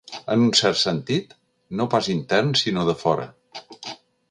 En un cert sentit, no pas intern sinó de fora.